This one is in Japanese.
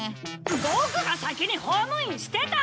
ボクが先にホームインしてた！